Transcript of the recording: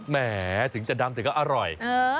แหมถึงจะดำแต่ก็อร่อย